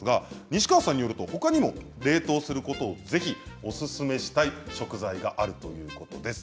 西川さんによるとほかにも冷凍することをぜひおすすめしたい食材があるそうです。